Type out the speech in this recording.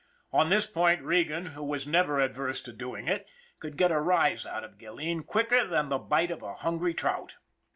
On this point Regan, who was never averse to doing it, could get a rise out of Gilleen quicker than the bite of a hungry trout.